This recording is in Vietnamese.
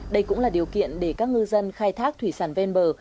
đây cũng là điều kiện để các ngư dân khai thác thủy sản ven bờ